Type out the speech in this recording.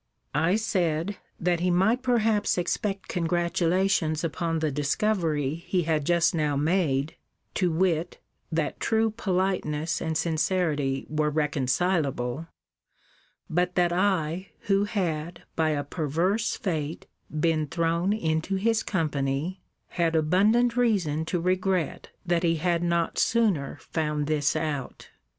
I said, that he might perhaps expect congratulation upon the discovery he had just now made, to wit, that true politeness and sincerity were reconcilable: but that I, who had, by a perverse fate, been thrown into his company, had abundant reason to regret that he had not sooner found this out.